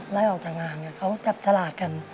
ได้ออกจากงานเนี่ยเขาจับตลาดกัน